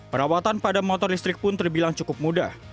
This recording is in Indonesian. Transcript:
perawatan pada motor listrik pun terbilang cukup mudah